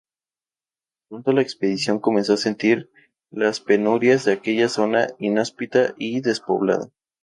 Pronto la expedición comenzó a sentir las penurias de aquella zona inhóspita y despoblada.